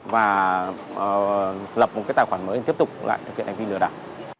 và lập một cái tài khoản mới để tiếp tục lại thực hiện hành vi lừa đảo